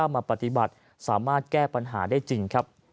มาปฏิบัติสามารถแก้ปัญหาได้จริงครับ